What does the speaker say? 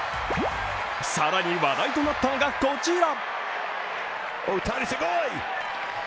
更に話題となったのが、こちら。